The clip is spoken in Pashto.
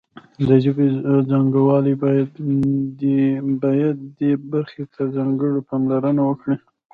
د ژبې څانګوال باید دې برخې ته ځانګړې پاملرنه وکړي